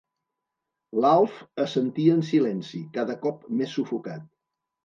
L'Alf assentia en silenci, cada cop més sufocat.